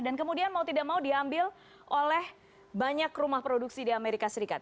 dan kemudian mau tidak mau diambil oleh banyak rumah produksi di amerika serikat